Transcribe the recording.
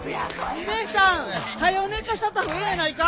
ミネさん！はよ寝かせたった方がええんやないか！？